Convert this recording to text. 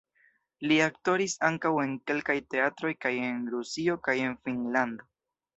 Li aktoris ankaŭ en kelkaj teatroj kaj en Rusio kaj en Finnlando.